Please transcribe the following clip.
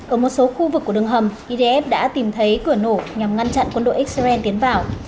ở một số khu vực của đường hầm idf đã tìm thấy cửa nổ nhằm ngăn chặn quân đội israel tiến vào